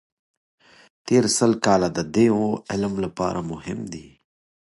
تېر سل کاله د دې علم لپاره مهم دي.